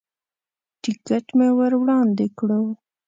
ټکټ مې ور وړاندې کړو.